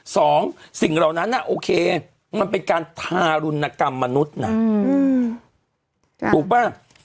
สองสิ่งเหล่านั้นโอเคมันเป็นการทารุณกรรมมนุษย์นะถูกป่ะ